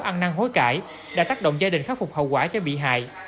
ăn năng hối cãi đã tác động gia đình khắc phục hậu quả cho bị hại